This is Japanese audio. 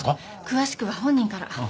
詳しくは本人から。